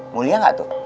mulia gak tuh